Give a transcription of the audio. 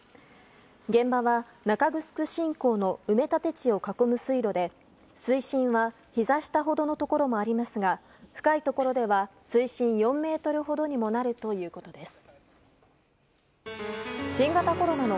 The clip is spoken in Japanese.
現場は中城新港の埋め立て地を囲む水路で水深はひざ下ほどのところもありますが深いところでは水深４ｍほどにもなるということです。